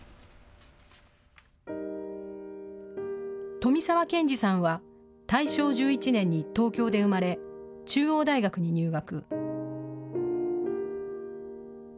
富澤健児さんは大正１１年に東京で生まれ中央大学に入学。